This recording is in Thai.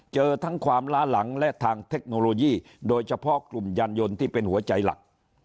เจอทั้งความล้าหลังและทางเทคโนโลยีโดยเฉพาะกลุ่มยานยนต์ที่เป็นหัวใจหลัก